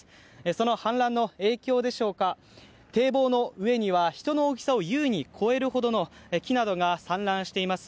その氾濫の影響でしょうか、堤防の上には人の大きさを優に超えるほどの木などが散乱しています。